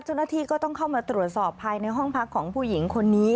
เจ้าหน้าที่ก็ต้องเข้ามาตรวจสอบภายในห้องพักของผู้หญิงคนนี้